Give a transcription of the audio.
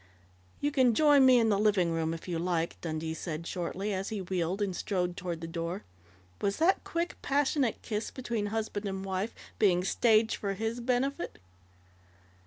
"You can join me in the living room, if you like," Dundee said shortly, as he wheeled and strode toward the door. Was that quick, passionate kiss between husband and wife being staged for his benefit?